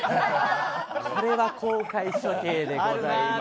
これは公開処刑でございます。